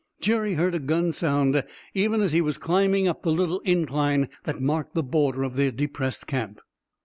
Jerry heard a gun sound even as he was climbing up the little incline that marked the border of their depressed camp.